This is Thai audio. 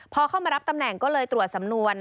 พอเข้ามารับตำแหน่งก็เลยตรวจสำนวน